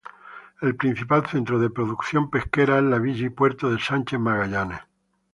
El principal centro de producción pesquera es la villa y puerto de Sánchez Magallanes.